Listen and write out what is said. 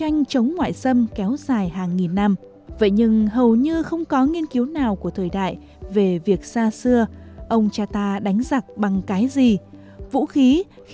gì vũ khí khí chống ngoại xâm kéo dài hàng nghìn năm vậy nhưng hầu như không có nghiên cứu nào của thời đại về việc xa xưa ông cha ta đánh giặc bằng cái gì vũ khí khí